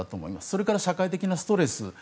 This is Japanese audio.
それから社会的なストレス。